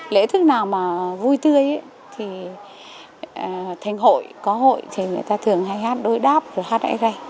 lễ thứ nào mà vui tươi thì thành hội có hội thì người ta thường hay hát đối đáp rồi hát ây rây